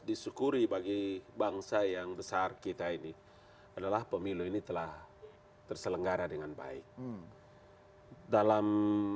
disyukuri bagi bangsa yang besar kita ini adalah pemilu ini telah terselenggara dengan baik dalam